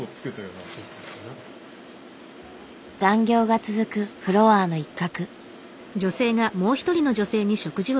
残業が続くフロアの一角。